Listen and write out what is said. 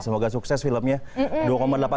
semoga sukses filmnya